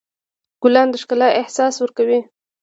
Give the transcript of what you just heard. ګلان د ښکلا احساس ورکوي.